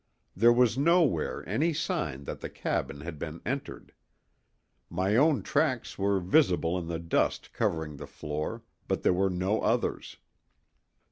There was nowhere any sign that the cabin had been entered. My own tracks were visible in the dust covering the floor, but there were no others.